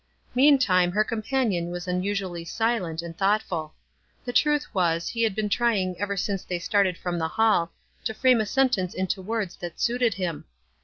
Mean time her companion was unusually silent and thoughtful. The truth was, he had been trying ever since they started from the hall, to frame a sentence into words that suited him.